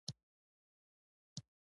هیلۍ د سبا خوشبو له ځان سره راوړي